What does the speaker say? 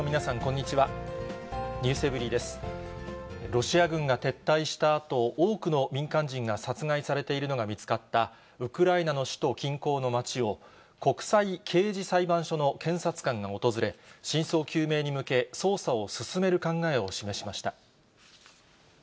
ロシア軍が撤退したあと、多くの民間人が殺害されているのが見つかった、ウクライナの首都近郊の町を、国際刑事裁判所の検察官が訪れ、真相究明に向け、捜査を進める考えを示しました。